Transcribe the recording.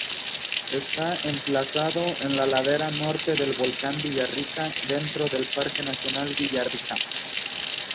Está emplazado en la ladera norte del Volcán Villarrica, dentro del Parque nacional Villarrica.